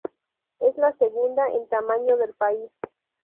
Es la segunda en tamaño del país.